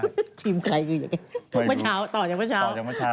ทีมใครคืออย่างไร